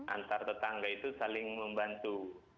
antar tetangga itu saling membantu